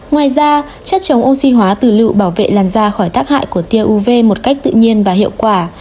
ngoài ra chất chống oxy hóa từ lựu bảo vệ làn da khỏi tác hại của tiêu uv một cách tự nhiên và hiệu quả